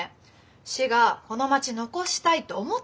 市がこの町残したいって思ってくれないと。